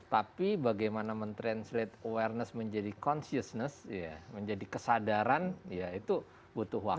tapi bagaimana men translate awareness menjadi consciousness menjadi kesadaran itu butuh waktu